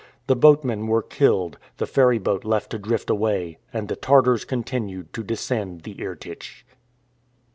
The boatmen were killed, the ferryboat left to drift away, and the Tartars continued to descend the Irtych.